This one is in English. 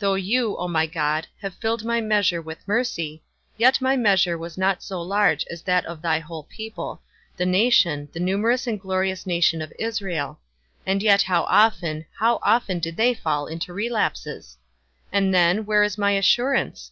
Though thou, O my God, have filled my measure with mercy, yet my measure was not so large as that of thy whole people, the nation, the numerous and glorious nation of Israel; and yet how often, how often did they fall into relapses! And then, where is my assurance?